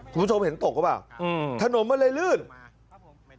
คุณผู้ชมเห็นตกหรือเปล่าอืมถนนมันเลยลื่นอืม